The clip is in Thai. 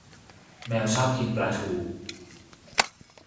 แมวชอบกินปลาทู